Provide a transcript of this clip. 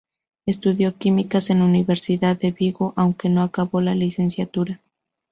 Estudió químicas en la Universidad de Vigo, aunque no acabó la licenciatura.